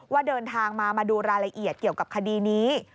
เดินทางมามาดูรายละเอียดเกี่ยวกับคดีนี้